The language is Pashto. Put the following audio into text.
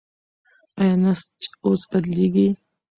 ایا نسج اوس بدلېږي؟